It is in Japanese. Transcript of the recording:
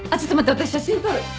私写真撮る。